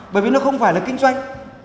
bởi vì nó không phải là kinh doanh